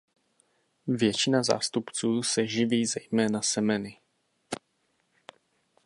Většina zástupců se živí zejména semeny.